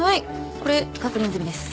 これ確認済みです。